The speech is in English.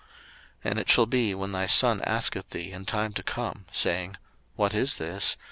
02:013:014 And it shall be when thy son asketh thee in time to come, saying, What is this?